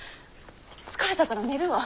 疲れたから寝るわ。